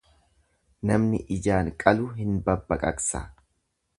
Namni ijaan qalu hin babbaqaqsa.